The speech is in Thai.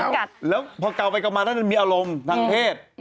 แล้วพอเก่าไปกลับมามีอารมณ์ทางเพศ